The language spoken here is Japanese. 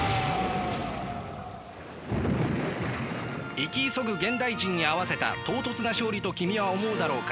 生き急ぐ現代人に合わせた唐突な勝利と君は思うだろうか。